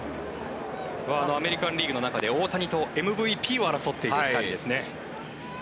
アメリカン・リーグの中で大谷とＭＶＰを争っている２人ですね。